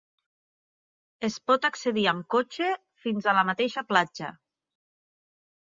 Es pot accedir amb cotxe fins a la mateixa platja.